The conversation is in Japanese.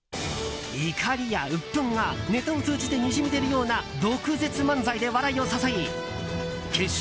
怒りやうっぷんがネタを通じてにじみ出るような毒舌漫才で笑いを誘い決勝